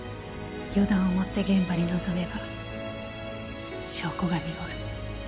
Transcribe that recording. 「予断を持って現場に臨めば証拠が濁る」